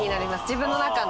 自分の中の。